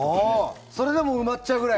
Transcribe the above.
それでもうまっちゃうぐらい？